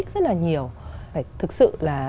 rất là nhiều phải thực sự là